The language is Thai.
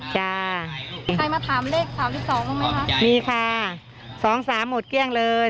จ้ะใครมาถามเลขสามสิบสองบ้างไหมคะมีค่ะสองสามหมดเกลี้ยงเลย